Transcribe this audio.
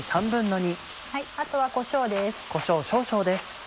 あとはこしょうです。